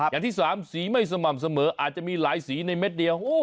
อย่างที่๓สีไม่สม่ำเสมออาจจะมีหลายสีในเม็ดเดียว